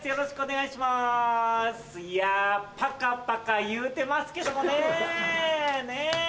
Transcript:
いやパカパカいうてますけどもね。ね。